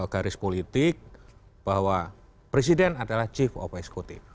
garis politik bahwa presiden adalah chief of executive